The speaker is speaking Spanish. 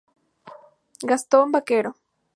Gastón Baquero.